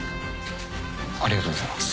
ありがとうございます。